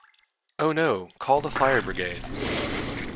Oh no! Call the fire brigade!